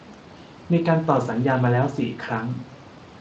มีการต่อสัญญามาแล้ว สี่ ครั้ง